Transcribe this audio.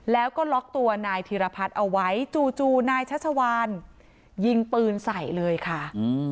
แล้วก็ล็อกตัวนายธิรพัฒน์เอาไว้จู่นายชัชวานยิงปืนใส่เลยค่ะ